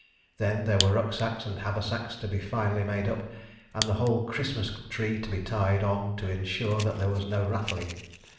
Then there were rucksacks and haversacks to be finally made up, and the whole "Christmas Tree" to be tried on to ensure that there was no rattling.